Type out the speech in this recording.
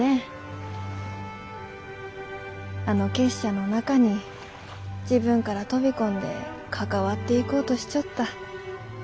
あの結社の中に自分から飛び込んで関わっていこうとしちょった。